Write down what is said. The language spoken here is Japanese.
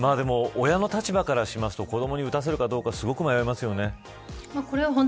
親の立場からすると子どもに打たせるかどうかすごく迷いますよね。